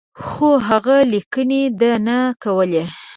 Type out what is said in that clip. خو هغه لیکني ده نه کولې.